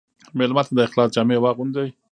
مېلمه ته د اخلاص جامې واغوندې.